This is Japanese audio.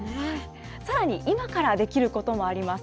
さらに、今からできることもあります。